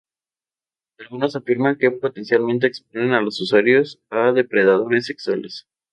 Algunos afirman que potencialmente exponen a los usuarios a depredadores sexuales.